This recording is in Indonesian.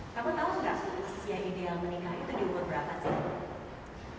kamu tau gak usia ideal menikah itu di umur berapa cik